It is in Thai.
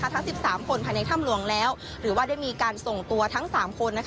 ทั้ง๑๓คนภายในถ้ำหลวงแล้วหรือว่าได้มีการส่งตัวทั้ง๓คน